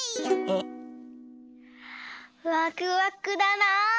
・ワクワクだな。